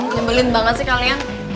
kembelin banget sih kalian